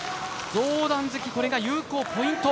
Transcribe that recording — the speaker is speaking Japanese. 上段突きこれが有効ポイント。